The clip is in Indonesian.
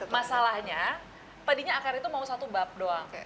masalahnya tadinya akar itu mau satu bab doang